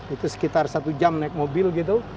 itu sekitar satu jam naik mobil gitu